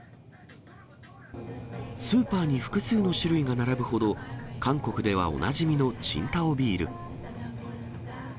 スーパーに複数の種類が並ぶほど、韓国ではおなじみの青島ビール。